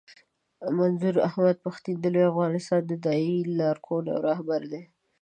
منظور احمد پښتين د لوی افغانستان د داعیې لارښود او رهبر دی.